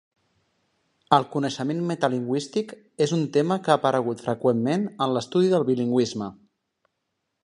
El coneixement metalingüístic és un tema que ha aparegut freqüentment en l'estudi del bilingüisme.